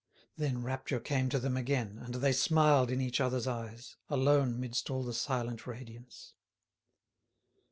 Then rapture came to them again, and they smiled in each other's eyes, alone amidst all the silent radiance.